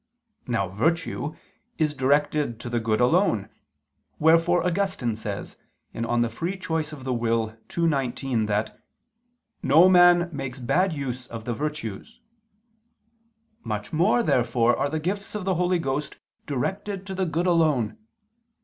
Now virtue is directed to the good alone, wherefore Augustine says (De Lib. Arb. ii, 19) that "no man makes bad use of the virtues." Much more therefore are the gifts of the Holy Ghost directed to the good alone.